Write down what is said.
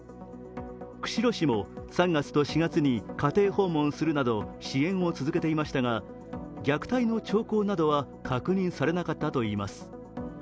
釧路市も３月と４月に家庭訪問するなど支援を続けていましたが虐待の兆候などは確認されなかったといいます。